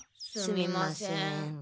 すみません。